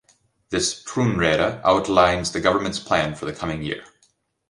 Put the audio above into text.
This "troonrede" outlines the government's plans for the coming year.